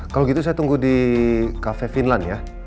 kalau gitu saya tunggu di cafe finland ya